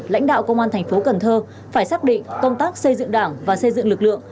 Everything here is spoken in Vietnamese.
lãnh đạo công an thành phố cần thơ phải xác định công tác xây dựng đảng và xây dựng lực lượng